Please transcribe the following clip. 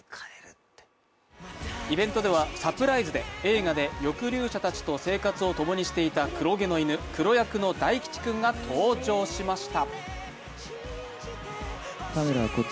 イベントでは、サプライズで映画で抑留者たちと生活を共にしていた黒毛の犬クロ役の大吉君が登場しました。